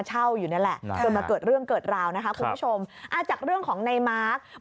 จากเรื่องของไนม๊าร์ค